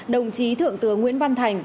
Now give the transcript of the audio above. đồng chí thượng tướng nguyễn văn thành